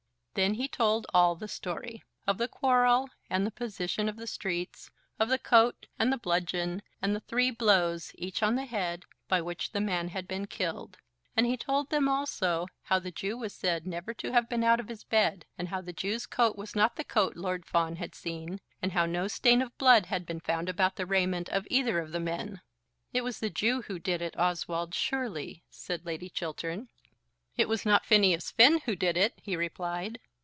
Then he told all the story, of the quarrel, and the position of the streets, of the coat, and the bludgeon, and the three blows, each on the head, by which the man had been killed. And he told them also how the Jew was said never to have been out of his bed, and how the Jew's coat was not the coat Lord Fawn had seen, and how no stain of blood had been found about the raiment of either of the men. "It was the Jew who did it, Oswald, surely," said Lady Chiltern. "It was not Phineas Finn who did it," he replied.